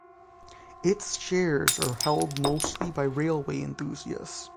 Its shares are held mostly by railway enthusiasts.